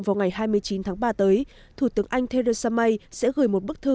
khi đàm phán sẽ được khởi động vào ngày hai mươi chín tháng ba tới thủ tướng anh theresa may sẽ gửi một bức thư